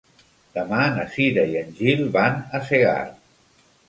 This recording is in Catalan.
Demà na Cira i en Gil van a Segart.